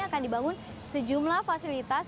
akan dibangun sejumlah fasilitas